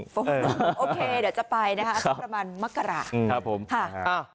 โอเคเดี๋ยวจะไปนะคะสักประมาณมกราครับผมค่ะ